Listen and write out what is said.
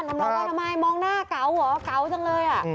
นำร้องบ้านทำไมมองหน้าเก๋าเหรอเก๋าจังเลย